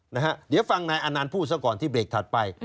นะฮะเดี๋ยวฟังนายอานันต์พูดซะก่อนที่เบรกถัดไป